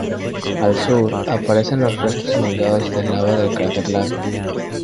Al sur aparecen los restos inundados de lava del cráter Lade.